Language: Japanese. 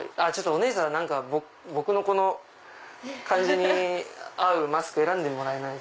お姉さん僕のこの感じに合うマスク選んでもらえないっすか？